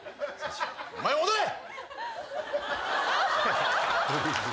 お前も戻れ！